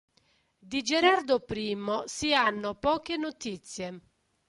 Di Gerardo I si hanno poche notizie.